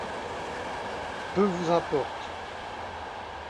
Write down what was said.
Peu vous importe.